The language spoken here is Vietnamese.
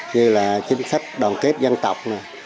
như là chính sách đoàn kết dân tộc